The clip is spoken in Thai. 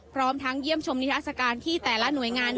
พร้อมทั้งเยี่ยมชมนิทัศกาลที่แต่ละหน่วยงาน